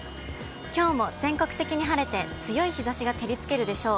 きょうも全国的に晴れて、強い日ざしが照りつけるでしょう。